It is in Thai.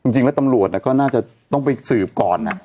จริงแล้วตำรวจก็น่าจะต้องไปสืบก่อนนะ